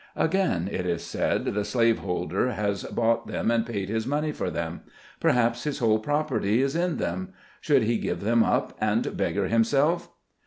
Again, it is said, the slaveholder has bought them and paid his money for them ; perhaps his whole property is in them ; should he give them up, and beggar himself